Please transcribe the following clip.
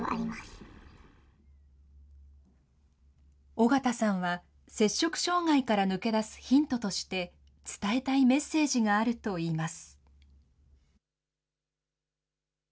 尾形さんは、摂食障害から抜け出すヒントとして、伝えたいメッセージがあるといいます。